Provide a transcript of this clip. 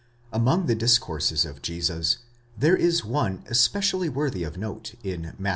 Among the discourses of Jesus there is one especially worthy of note in Matt.